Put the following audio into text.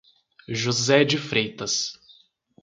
José de Freitas